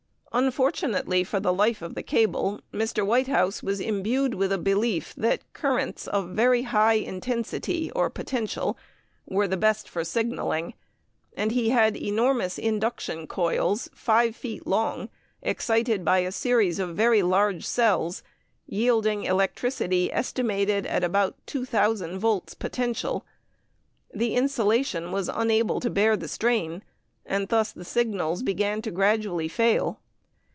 _ Unfortunately for the life of the cable, Mr. Whitehouse was imbued with a belief that currents of very high intensity, or potential, were the best for signaling; and he had enormous induction coils, five feet long, excited by a series of very large cells, yielding electricity estimated at about 2,000 volts potential. The insulation was unable to bear the strain, and thus the signals began to gradually fail.